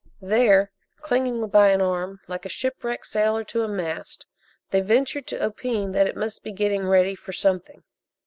There, clinging by an arm like a shipwrecked sailor to a mast, they ventured to opine that it must be "getting ready for something."